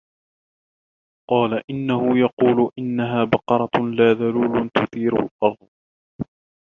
قَالَ إِنَّهُ يَقُولُ إِنَّهَا بَقَرَةٌ لَا ذَلُولٌ تُثِيرُ الْأَرْضَ